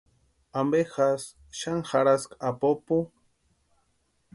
¿Ampe jasï xani jarhaski apupu?